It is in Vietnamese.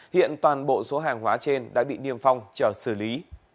hiện toàn bộ số hàng hóa trên đã bị niêm phong chờ xử lý